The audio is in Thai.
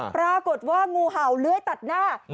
ปรากฏว่างูเห่าเลื้อยตัดหน้า